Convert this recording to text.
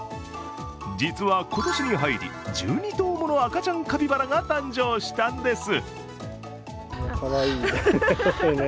実は今年に入り、１２頭もの赤ちゃんカピバラが誕生したんです。